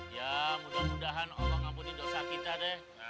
ya mudah mudahan allah ngabudi dosa kita deh